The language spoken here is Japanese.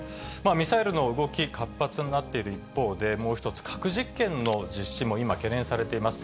ミサイルの動き、活発になっている一方で、もう一つ、核実験の実施も今懸念されています。